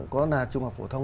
có là trung học phổ thông